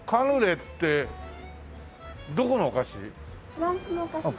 フランスのお菓子です。